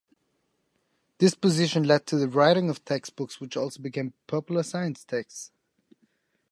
This position led to the writing of textbooks which also became popular science texts.